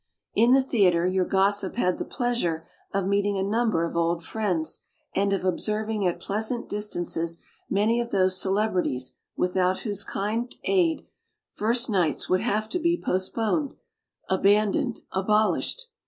In the theatre Your Gossip had the pleasure of meeting a number of old friends and of observing at pleasant distances many of those celebrities without whose kind aid first nights would have to be postponed, aban doned, abolished.